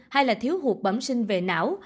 hay là thiếu hụt bẩm sinh về não